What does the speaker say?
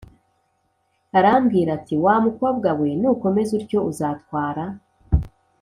Arambwira ati wa mukobwa we nukomeza utyo uzatwara